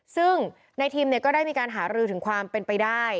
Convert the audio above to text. ซึ่งในทีมก็ได้มีการหารือถึงความเป็นไปได้